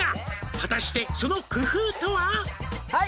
「果たしてその工夫とは？」はい！